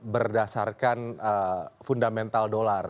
berdasarkan fundamental dolar